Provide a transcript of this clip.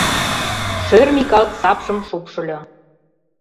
— Шӧр Микал сапшым шупшыльо.